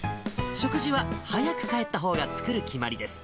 食事は、早く帰ったほうが作る決まりです。